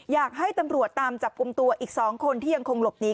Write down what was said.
อยากให้ตำรวจตามจับกลุ่มตัวอีก๒คนที่ยังคงหลบหนี